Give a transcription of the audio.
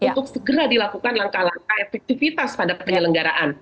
untuk segera dilakukan langkah langkah efektifitas pada penyelenggaraan